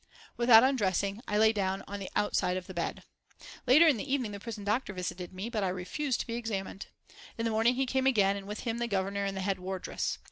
Without undressing, I lay down on the outside of the bed. Later in the evening the prison doctor visited me, but I refused to be examined. In the morning he came again, and with him the Governor and the head wardress.